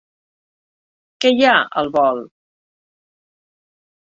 Què hi ha, al bol?